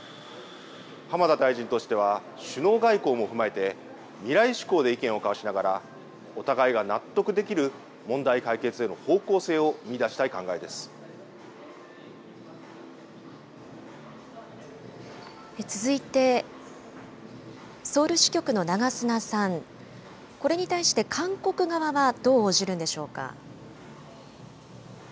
浜田大臣としては、首脳外交も踏まえて、未来志向で意見を交わしながら、お互いが納得できる問題解決への方向性を見いだしたい考続いて、ソウル支局の長砂さん、これに対して、韓国側はどう応じるんでしょうか。